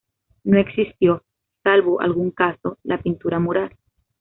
No existió, salvo algún caso, la pintura mural.